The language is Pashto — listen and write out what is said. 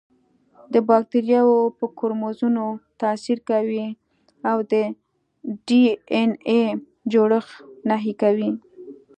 د باکتریاوو په کروموزومونو تاثیر کوي او د ډي این اې جوړښت نهي کوي.